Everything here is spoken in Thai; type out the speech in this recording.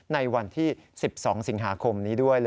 ในวันที่๑๒สิงหาคมนี้ด้วย